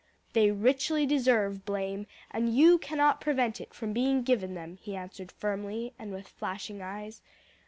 "They richly deserve blame, and you cannot prevent it from being given them," he answered firmly, and with flashing eyes.